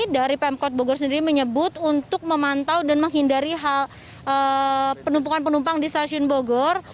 dari pemkot bogor sendiri menyebut untuk memantau dan menghindari hal penumpukan penumpang di stasiun bogor